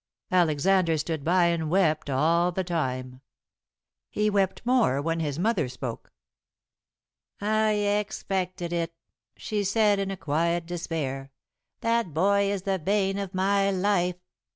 Alexander stood by and wept all the time. He wept more when his mother spoke. "I expected it," she said in quiet despair; "that boy is the bane of my life.